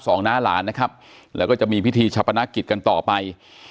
น้าหลานนะครับแล้วก็จะมีพิธีชะพนักกิจกันต่อไป